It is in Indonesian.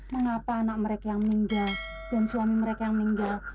mengapa anak mereka yang meninggal dan suami mereka yang meninggal